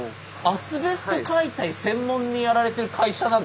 アスベスト解体専門にやられてる会社なんていうものが！